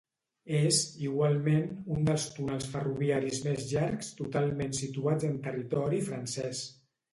És, igualment, un dels túnels ferroviaris més llargs totalment situats en territori francès.